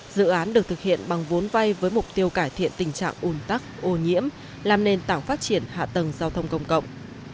dự án được thực hiện bằng vốn vay với mục tiêu cải thiện tình trạng ùn tắc ô nhiễm làm nền tảng phát triển hạ tầng giao thông công cộng